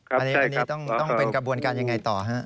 อันนี้ต้องเป็นกระบวนการยังไงต่อฮะ